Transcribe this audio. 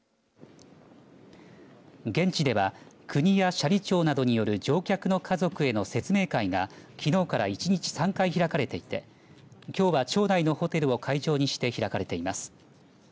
現地では、国や斜里町などによる乗客の家族への説明会がきのうから１日３回開かれていてきょうは町内のホテルを会場にして開かれています。